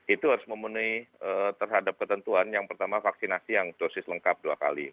itu harus memenuhi terhadap ketentuan yang pertama vaksinasi yang dosis lengkap dua kali